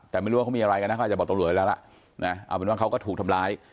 แต่ไม่รู้ว่าเขามีอะไรกันนะเขาอาจจะบอกตำรวจไว้แล้วล่ะนะเอาเป็นว่าเขาก็ถูกทำร้าย